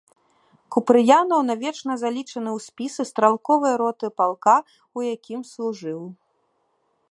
Купрыянаў навечна залічаны ў спісы стралковай роты палка, у якім служыў.